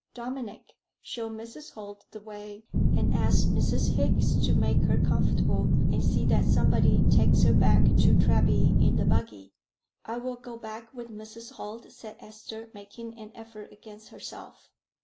Dominic, show Mrs. Holt the way, and ask Mrs. Hickes to make her comfortable, and see that somebody takes her back to Treby in the buggy." "I will go back with Mrs. Holt," said Esther, making an effort against herself.